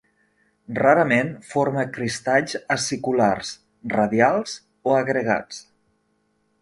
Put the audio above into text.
Rarament forma cristalls aciculars, radials o agregats.